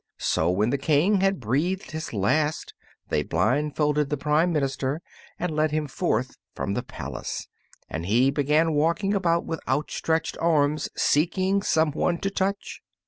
So when the King had breathed his last they blindfolded the prime minister and led him forth from the palace, and he began walking about with outstretched arms seeking someone to touch.